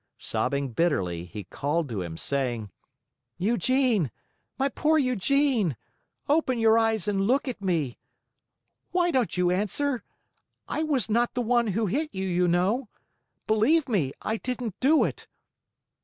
Sobbing bitterly, he called to him, saying: "Eugene! My poor Eugene! Open your eyes and look at me! Why don't you answer? I was not the one who hit you, you know. Believe me, I didn't do it.